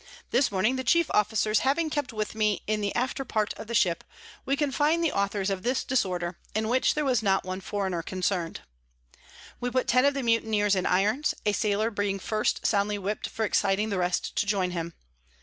This Morning the chief Officers having kept with me in the after part of the Ship, we confin'd the Authors of this Disorder, in which there was not one Foreigner concern'd. We put ten of the Mutineers in Irons, a Sailor being first soundly whip'd for exciting the rest to join him.